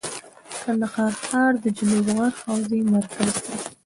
کندهار ښار د جنوب غرب حوزې مرکز دی.